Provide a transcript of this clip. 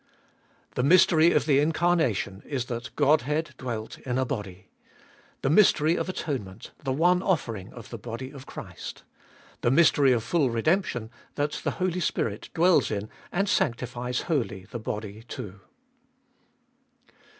2. The mystery of the Incarnation Is that Godhead dwelt in a body. The mystery of atone ment, the one offering of the body of Christ. The mystery of full redemption, that the Holy Spirit dwells in and sanctifies wholly the body too.